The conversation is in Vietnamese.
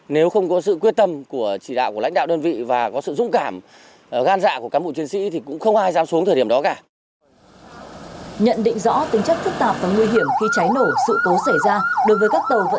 nếu không có sự quyết tâm của chỉ đạo của lãnh đạo đơn vị và có sự dũng cảm gan dạ của cán bộ chiến sĩ thì cũng không ai dám xuống thời điểm đó cả nguy hiểm